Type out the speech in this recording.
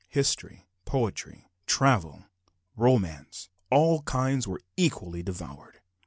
History, poetry, travel, romance all kinds were equally devoured.